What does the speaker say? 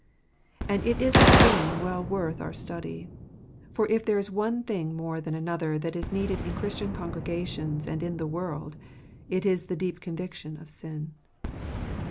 And it is a theme well worth our study; for if there is one thing more than another that is needed in Christian congregations and in the world, it is the deep conviction of sin.